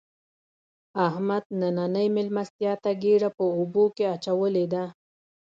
احمد نننۍ مېلمستیا ته ګېډه په اوبو کې اچولې ده.